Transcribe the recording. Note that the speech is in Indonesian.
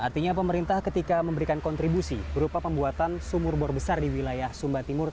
artinya pemerintah ketika memberikan kontribusi berupa pembuatan sumur bor besar di wilayah sumba timur